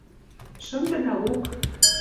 Шынде да лук.